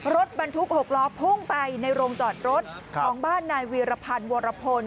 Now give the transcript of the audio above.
รถบรรทุก๖ล้อพุ่งไปในโรงจอดรถของบ้านนายวีรพันธ์วรพล